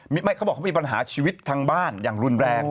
ไม่เขาบอกเขามีปัญหาชีวิตทางบ้านอย่างรุนแรง